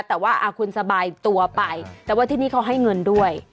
แต่ว่าคุณสบายตัวไปแต่ว่าที่นี่เขาให้เงินด้วย